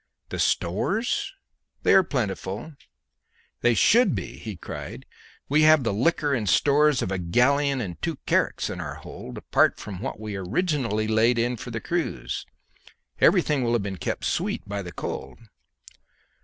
"The stores?" "They are plentiful." "They should be!" he cried; "we have the liquor and stores of a galleon and two carracks in our hold, apart from what we originally laid in for the cruise. Everything will have been kept sweet by the cold."